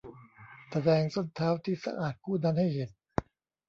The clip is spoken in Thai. แสดงส้นเท้าที่สะอาดคู่นั้นให้เห็น